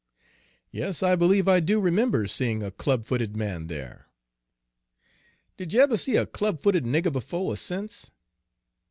"Yes, I believe I do remember seeing a club footed man there." "Did you eber see a club footed nigger befo' er sence?"